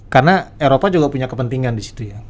karena eropa juga punya kepentingan disitu ya